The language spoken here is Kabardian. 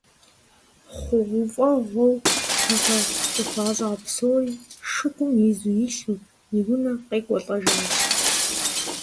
ХъугъуэфӀыгъуэу тыгъэ къыхуащӀа псори шыгум изу илъу, и унэ къекӀуэлӀэжащ.